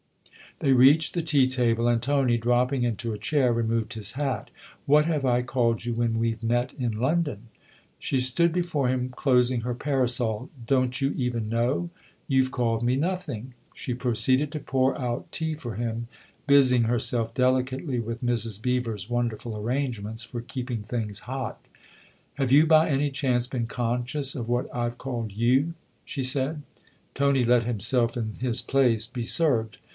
They reached the tea table, and Tony, dropping into a chair, removed his hat. " What have I called you when we've met in London ?" She stood before him closing her parasol. " Don't you even know ? You've called me nothing." She proceeded to pour out tea for him, busying herself delicately with Mrs. Beever's wonderful arrangements for keeping things hot. " Have you by any chance been conscious of what I've called you ?" she said. Tony let himself, in his place, be served.